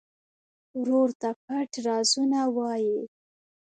ورور ته پټ رازونه وایې.